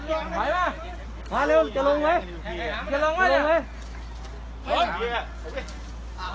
กลับมาเมื่อเวลาเมื่อเวลา